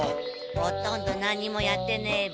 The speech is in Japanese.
ほとんどなんにもやってねえべ。